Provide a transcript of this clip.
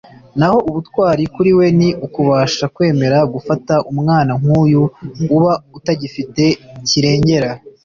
naho ubutwari kuri we ni ukubasha kwemera gufata umwana nk’uyu uba utagifite kirengera